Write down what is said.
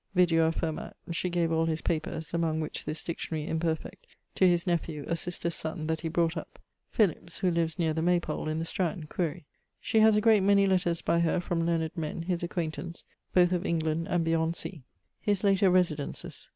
Vidua affirmat she gave all his papers (among which this dictionary, imperfect) to his nephew, a sister's son, that he brought up, ... Philips, who lives neer the Maypole in the Strand (quaere). She has a great many letters by her from learned men, his acquaintance, both of England and beyond sea. <_His later residences.